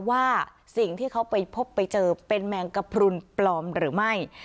ว่าสิ่งที่เขาไปพบไปเจอเป็นแมงกระพรุนปลอมหรือไม่